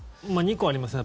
２個ありますね。